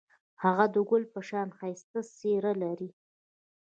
هغه د ګل په شان ښایسته څېره لري.